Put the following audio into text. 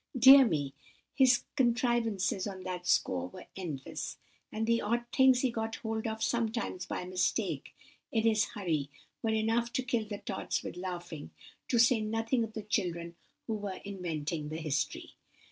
Dear me! his contrivances on that score were endless, and the odd things he got hold of sometimes by mistake, in his hurry, were enough to kill the Tods with laughing—to say nothing of the children who were inventing the history!